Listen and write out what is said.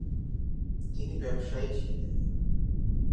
তিনি ব্যবসায়ী ছিলেন।